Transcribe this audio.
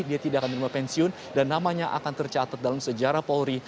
dia tidak akan menerima pensiun dan namanya akan tercatat dalam sejarah polri